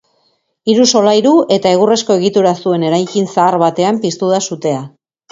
Hiru solairu eta egurrezko egitura zuen eraikin zahar batean piztu da sutea.